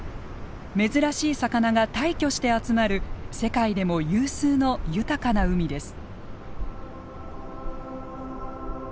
珍しい魚が大挙して集まる世界でも有数の豊かな海です。